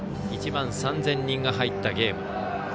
１万３０００人が入ったゲーム。